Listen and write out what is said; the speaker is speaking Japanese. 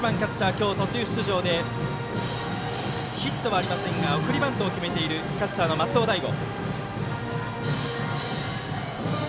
今日、途中出場でヒットはありませんが送りバントを決めているキャッチャーの松尾大悟。